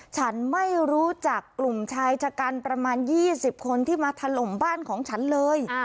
ฉันไม่รู้จักกลุ่มชายชะกันประมาณ๒๐คนที่มาถล่มบ้านของฉันเลย